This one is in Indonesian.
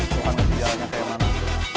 sukan dan sejarahnya kayak mana